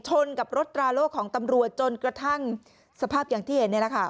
ชนกับรถตราโล่ของตำรวจจนกระทั่งสภาพอย่างที่เห็นนี่แหละค่ะ